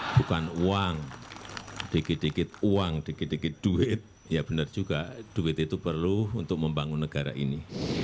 bukan uang dikit dikit uang dikit dikit duit ya benar juga duit itu perlu untuk membangun negara ini